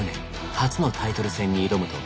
初のタイトル戦に挑むと。